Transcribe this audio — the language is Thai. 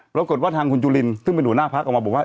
ปรากฏว่าทางคุณจุลินซึ่งเป็นหัวหน้าพักออกมาบอกว่า